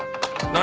何！？